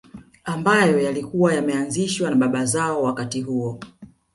Ambayo yalikuwa yameanzishwa na baba zao wakati huo